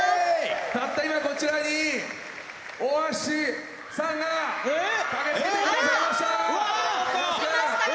たった今こちらに、大橋さんが駆けつけてくださいました。